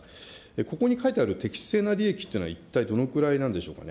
ここに書いてある適正な利益っていうのは一体どのくらいなんでしょうかね。